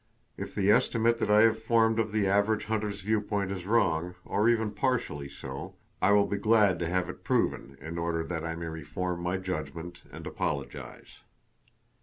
If the estimate that I have formed of the average hunter's viewpoint is wrong, or even partially so, I will be glad to have it proven in order that I may reform my judgment and apologize.